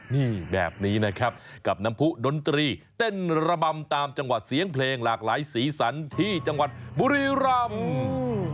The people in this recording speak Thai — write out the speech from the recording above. นี่แบบนี้นะครับกับน้ำผู้ดนตรีเต้นระบำตามจังหวัดเสียงเพลงหลากหลายสีสันที่จังหวัดบุรีรำ